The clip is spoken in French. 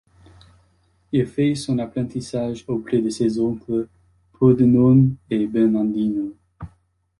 Il fait son apprentissage auprès de ses oncles Pordenone et Bernardino.